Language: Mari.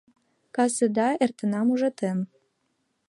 Кас еда эртенам ужатен.